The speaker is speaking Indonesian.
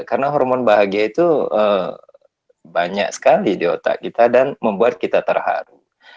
karena hormon bahagia itu banyak sekali di otak kita dan membuat kita terharu